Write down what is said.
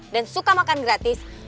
dan suka makan gratis